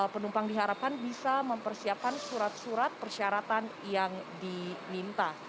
penumpang diharapkan bisa mempersiapkan surat surat persyaratan yang diminta